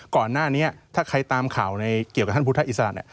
ก่อนหน้านี้ถ้าใครตามข่าวเกี่ยวกับท่านพุทธศาสตร์